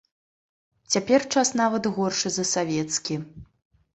Цяпер час нават горшы за савецкі.